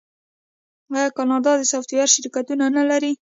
آیا کاناډا د سافټویر شرکتونه نلري؟